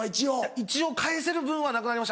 一応返せる分はなくなりました